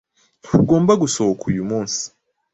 Ntugomba gusohoka uyu munsi